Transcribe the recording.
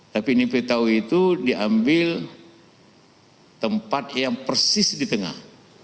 tapi nipitau itu diambil tempat yang persis di tengah